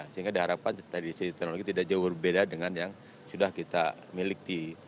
sehingga diharapkan dari sisi teknologi tidak jauh berbeda dengan yang sudah kita miliki